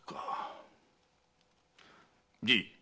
じい。